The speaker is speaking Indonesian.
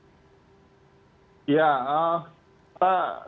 bentuk mendorongnya seperti apa pak sukamta dari panja alutsista ini